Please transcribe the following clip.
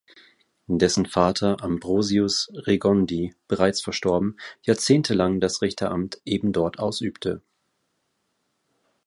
Dessen Vater Ambrosius Regondi, bereits verstorben, jahrzehntelang das Richteramt ebendort ausübte.